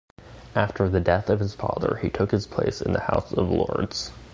After the death of his father, he took his place in the House of Lords.